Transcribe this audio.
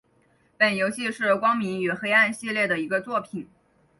本游戏是光明与黑暗系列的一个作品。